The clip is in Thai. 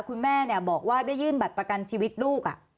คุณแม่บอกว่าได้ยื่นบัตรประกันชีวิตลูก